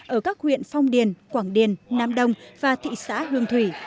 ở các huyện phong điền quảng điền nam đông và thị xã hương thủy